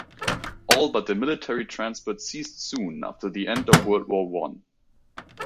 All but the military transport ceased soon after the end of World War One.